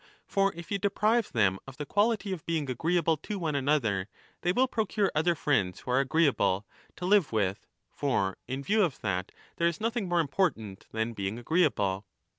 For if you deprive 1210* them of the quality of being agreeable to one another, they will procure other friends, who are agreeable, to live with, J for in view of that there is nothing more important than being agreeable.